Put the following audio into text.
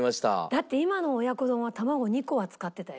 だって今の親子丼は卵２個は使ってたよ。